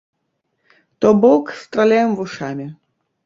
То бок, страляем вушамі.